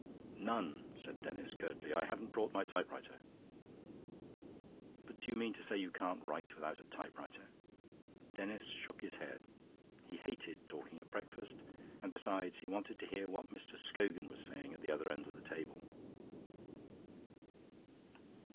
"None," said Denis curtly. "I haven't brought my typewriter." "But do you mean to say you can't write without a typewriter?" Denis shook his head. He hated talking at breakfast, and, besides, he wanted to hear what Mr. Scogan was saying at the other end of the table.